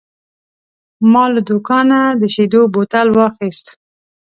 ما له دوکانه د شیدو بوتل واخیست.